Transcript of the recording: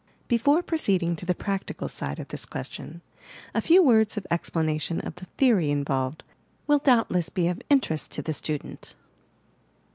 Before proceeding to the practical side of this ques tion, a few words of explanation of the theory in volved will doubtless be of interest to the student.